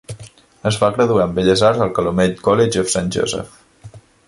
Es va graduar en Belles Arts al Calumet College of Saint Joseph.